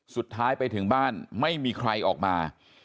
สุดท้ายไปถึงบ้านไม่มีใครออกมา